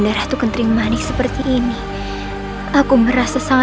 leo pergi ke sana